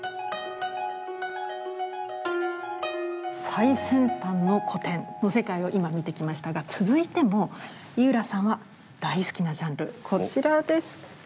最先端の古典の世界を今見てきましたが続いても井浦さんは大好きなジャンルこちらです。